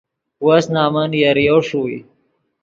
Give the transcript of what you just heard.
وس نمن یریو ݰوئے